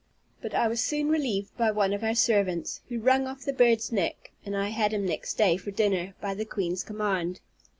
But I was soon relieved by one of our servants, who wrung off the bird's neck, and I had him next day for dinner, by the queen's command.